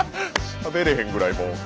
しゃべれへんぐらいもう。